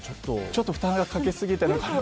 ちょっと負担をかけすぎですね。